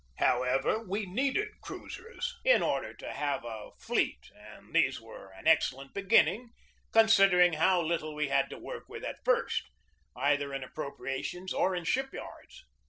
However, we needed cruisers in order to have a BUILDING THE NEW NAVY 165 fleet, and these were an excellent beginning, consid ering how little we had to work with at first, either in appropriations or in ship yards.